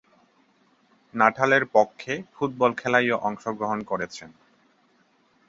নাটালের পক্ষে ফুটবল খেলায়ও অংশগ্রহণ করেছেন।